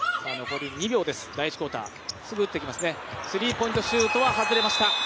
スリーポイントは外れました。